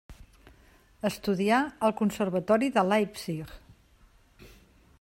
Estudià al Conservatori de Leipzig.